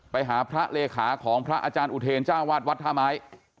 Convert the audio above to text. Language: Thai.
ไปหาพระเลขาของพระอาจารย์อุเทรนจ้าวาดวัดท่าไม้